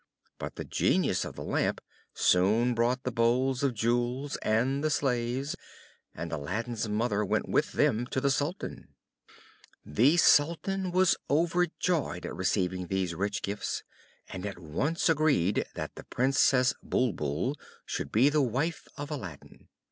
But the Genius of the Lamp soon brought the bowls of jewels and the slaves, and Aladdin's mother went with them to the Sultan. The Sultan was overjoyed at receiving these rich gifts, and at once agreed that the Princess Bulbul should be the wife of Aladdin.